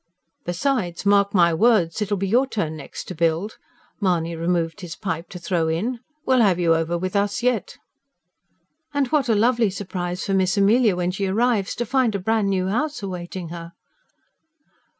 "Besides, mark my words, it'll be your turn next to build," Mahony removed his pipe to throw in. "We'll have you over with us yet." "And what a lovely surprise for Miss Amelia when she arrives, to find a bran' new house awaiting her."